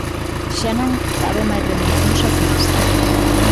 Xa non cabe máis rendición socialista.